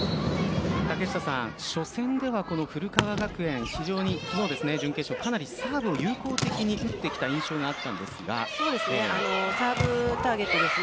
古川学園準決勝、かなりサーブを有効的に打ってきた印象があったんですがサーブターゲットですね。